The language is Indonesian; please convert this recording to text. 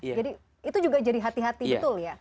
jadi itu juga jadi hati hati gitu